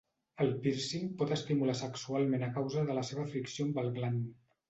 El pírcing pot estimular sexualment a causa de la seva fricció amb el gland.